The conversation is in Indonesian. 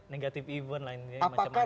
negatif event lainnya apakah